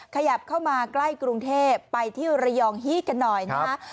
ขยับเข้ามาใกล้กรุงเทพไปที่ระยองฮีกันหน่อยนะฮะ